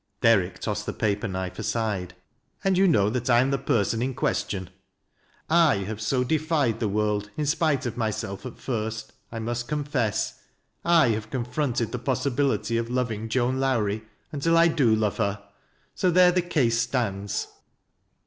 Derrick tossed the paper knife aside. " And you know that I am the person in question. 1 have so defied the world, in spite of myself at first, 1 must confess, /have confronted the possibility of Icving Joan Lowrie until I do love her. So there the case stands."